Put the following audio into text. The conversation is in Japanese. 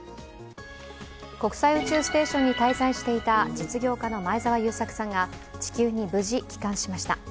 国際宇宙ステーションに滞在していた実業家の前澤友作さんが地球に無事、帰還しました。